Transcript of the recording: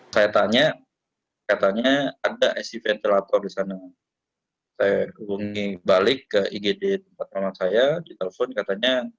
saya kenyal lagi konfirmasinya